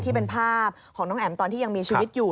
ที่เป็นภาพของน้องแอ๋มตอนที่ยังมีชีวิตอยู่